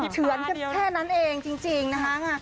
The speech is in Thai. เฉินแค่นั้นเองจริงนะฮะ